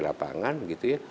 di lapangan gitu ya